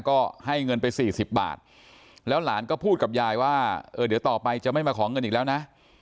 ก็ให้เงินไป๔๐บาทแล้วหลานก็พูดกับยายว่าเออเดี๋ยวต่อไปจะไม่มาขอเงินอีกแล้วนะ